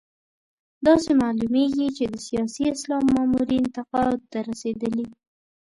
داسې معلومېږي چې د سیاسي اسلام مامورین تقاعد ته رسېدلي.